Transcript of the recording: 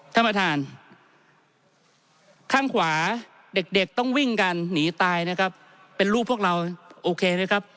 ท่านประธานข้างขวาเด็กเด็กต้องวิ่งกันหนีตายนะครับเป็นลูกพวกเราโอเคนะครับ